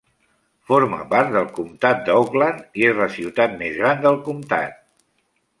Forma part del Comtat d'Oakland i és la ciutat més gran del comtat.